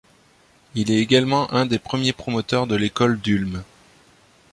Il est également un des premiers promoteurs de l'école d'Ulm.